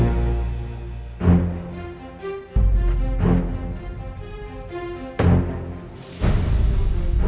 cerita aku tiba tiba diterbut dan t enam puluh enam buryamu